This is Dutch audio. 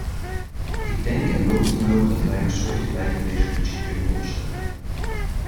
Ik denk en hoop dan ook dat wij een soortgelijke resolutie kunnen opstellen.